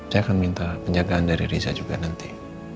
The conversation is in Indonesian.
saya akan minta penjagaan dari risa juga nanti